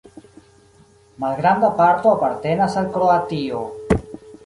Malgranda parto apartenas al Kroatio.